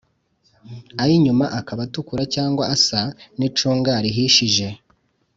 ay'inyuma akaba atukura cyangwa asa n'icunga rihishije.